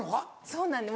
そうなんです